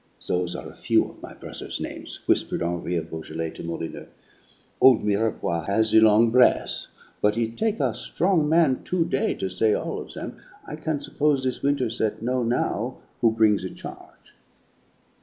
"Those are a few of my brother's names," whispered Henri of Beaujolais to Molyneux. "Old Mirepoix has the long breath, but it take' a strong man two day' to say all of them. I can suppose this Winterset know' now who bring the charge!"